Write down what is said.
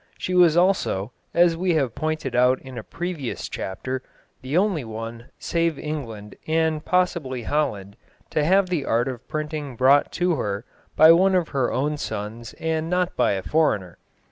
She was also, as we have pointed out in a previous chapter, the only one, save England, and possibly Holland, to have the art of printing brought to her by one of her own sons and not by a foreigner.